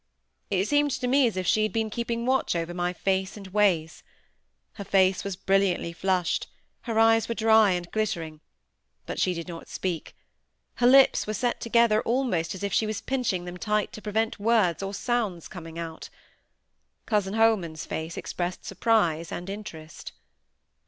It seemed to me as if she had been keeping watch over my face and ways. Her face was brilliantly flushed; her eyes were dry and glittering; but she did not speak; her lips were set together almost as if she was pinching them tight to prevent words or sounds coming out. Cousin Holman's face expressed surprise and interest.